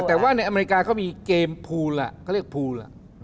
แต่ว่าในอเมริกาเค้ามีเกมโพลอะเค้าเรียกโพล